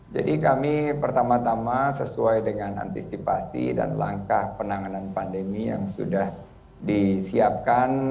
jadi kami pertama tama sesuai dengan antisipasi dan langkah penanganan pandemi yang sudah disiapkan